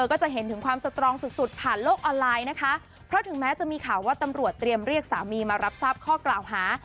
ก็จะเห็นถึงความสตรองสุดสุดผ่านโลกออนไลน์นะคะเพราะถึงแม้จะมีข่าวว่าตำรวจเตรียมเรียกสามีมารับทราบข้อกล่าวหา